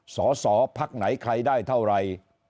สอสอพักไหนใครได้เท่าไร